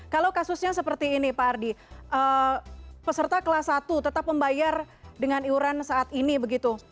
kalau kasusnya seperti ini pak ardi peserta kelas satu tetap membayar dengan iuran saat ini begitu